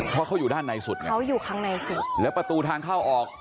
เพราะเขาอยู่ด้านในสุดไงเขาอยู่ข้างในสุดแล้วประตูทางเข้าออก